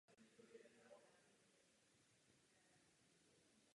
Trest uvěznění má sloužit k nápravě jedince.